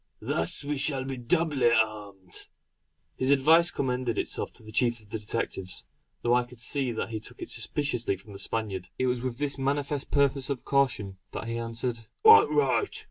Thus we shall be doubly armed." His advice commended itself to the chief of the detectives; though I could see that he took it suspiciously from the Spaniard. It was with manifest purpose of caution that he answered: "Quite right!